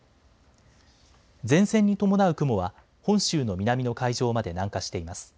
前線に伴う雲は本州の南の海上まで南下しています。